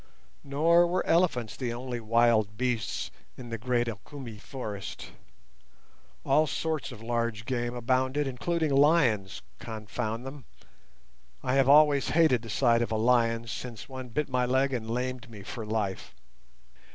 Nor were elephants the only wild beasts in the great Elgumi forest. All sorts of large game abounded, including lions—confound them! I have always hated the sight of a lion since one bit my leg and lamed me for life.